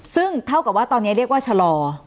ซึ่งเท่ากับว่าตอนนี้เรียกว่าชะลอ